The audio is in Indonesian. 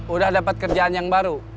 udah dapat kerjaan yang baru